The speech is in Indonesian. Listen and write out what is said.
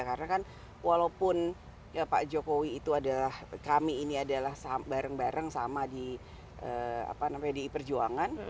karena kan walaupun pak jokowi itu adalah kami ini adalah bareng bareng sama di perjuangan